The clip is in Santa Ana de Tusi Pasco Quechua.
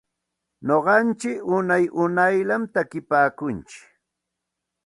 Nuqantsik unay unayllatam takinpaakuntsik.